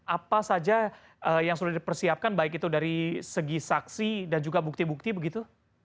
apa saja yang sudah dipersiapkan baik itu dari segi saksi dan juga bukti bukti begitu